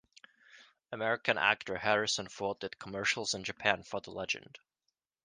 American actor Harrison Ford did commercials in Japan for the Legend.